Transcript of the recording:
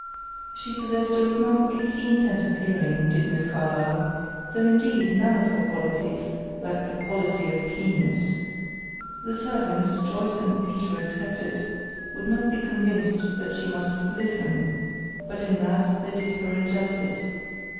She possessed a remarkably keen sense of hearing, did Miss Carlyle; though, indeed, none of her faculties lacked the quality of keenness. The servants, Joyce and Peter excepted, would not be convinced but that she must "listen;" but, in that, they did her injustice.